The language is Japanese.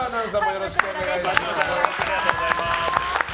よろしくお願いします。